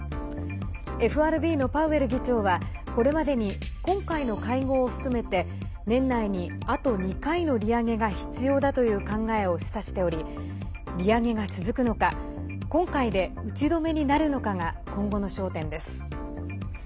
ＦＲＢのパウエル議長はこれまでに今回の会合を含めて年内にあと２回の利上げが必要だという考えを示唆しており利上げが続くのか今回で打ち止めになるのかが今後の焦点です。